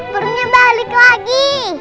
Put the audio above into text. burungnya balik lagi